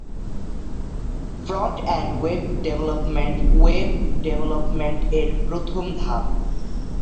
Front end web development web development এর প্রথম ধাপ।